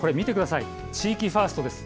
地域ファーストです。